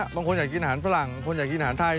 บางคนอยากกินอาหารฝรั่งคนอยากกินอาหารไทย